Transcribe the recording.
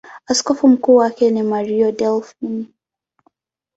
Askofu mkuu wake ni Mario Delpini.